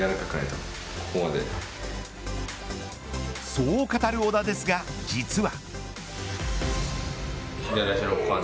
そう語る小田ですが実は。